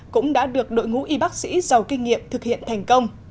cũng đã được đội ngũ y bác sĩ giàu kinh nghiệm thực hiện thành công